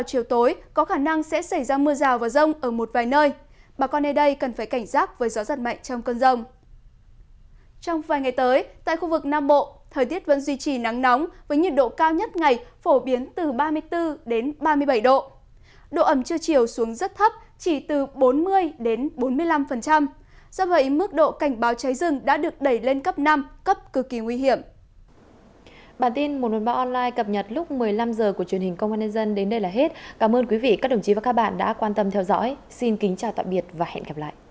trong vài ngày tới tại khu vực nam bộ thời tiết vẫn duy trì nắng nóng với nhiệt độ cao nhất ngày phổ biến từ ba mươi bốn đến ba mươi năm